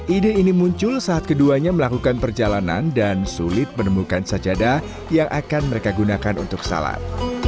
ide ini muncul saat keduanya melakukan perjalanan dan sulit menemukan sajadah yang akan mereka gunakan untuk salat